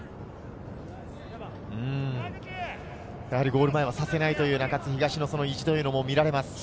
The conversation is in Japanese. ゴール前はさせないという中津東の意地も見られます。